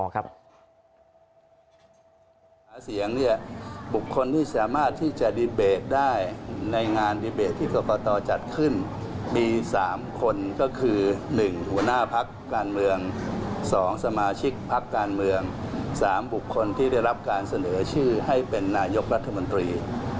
หาเสียงบุคคลที่สามารถที่จะดีเบตได้ในงานดีเบตที่กรกตจัดขึ้นมี๓คนก็คือ๑หัวหน้าพักการเมือง๒สมาชิกพักการเมือง๓บุคคลที่ได้รับการเสนอชื่อให้เป็นนายกรัฐมนตรี